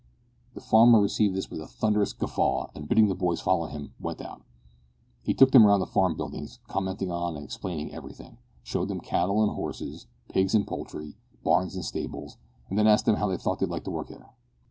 The farmer received this with a thunderous guffaw, and, bidding the boys follow him, went out. He took them round the farm buildings, commenting on and explaining everything, showed them cattle and horses, pigs and poultry, barns and stables, and then asked them how they thought they'd like to work there.